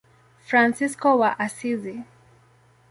Fransisko wa Asizi.